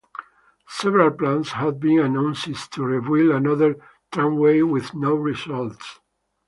Several plans have been announced to rebuild another tramway with no results.